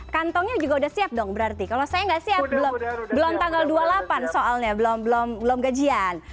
kantongnya juga udah siap dong berarti kalau saya nggak siap belum tanggal dua puluh delapan soalnya belum gajian